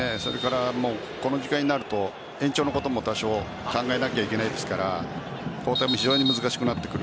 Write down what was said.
この時間になると延長のことも多少考えなければいけないですから交代も非常に難しくなってくる。